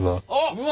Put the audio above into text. うわ！？